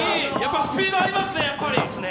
スピードありますね、やっぱり。